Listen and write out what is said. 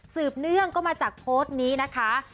เนื่องก็มาจากโพสต์นี้นะคะ